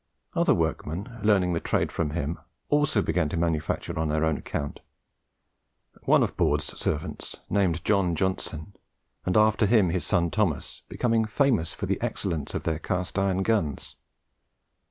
Other workmen, learning the trade from him, also began to manufacture on their own account; one of Baude's servants, named John Johnson, and after him his son Thomas, becoming famous for the excellence of their cast iron guns.